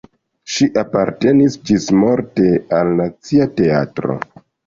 Ŝi apartenis ĝismorte al Nacia Teatro.